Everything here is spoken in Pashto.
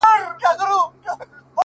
ستا يې په څه که لېونی سم بيا راونه خاندې